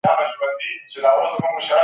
تر ازموینې مخکي مي تکرار کړی و.